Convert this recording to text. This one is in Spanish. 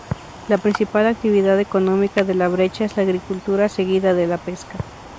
La principal actividad económica de La Brecha es la agricultura, seguida de la pesca.